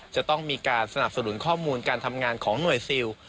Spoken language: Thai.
จะต้องมีการสนับสนุนข้อมูลการทำงานของหน่วยซิล